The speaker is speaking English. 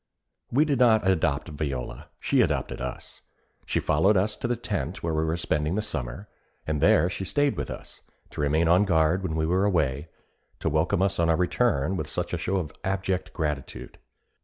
We did not adopt Viola; she adopted us. She followed us to the tent where we were spending the summer, and there she stayed with us, to remain on guard when we were away, to welcome us on our return with such a show of abject gratitude.